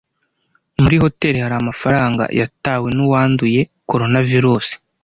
Muri hoteri hari amafaranga yatawe nuwanduye Coronavirusi.